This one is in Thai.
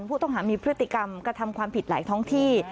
ผู้ต้องหามีพฤติกรรมกระทำความผิดหลายท้องที่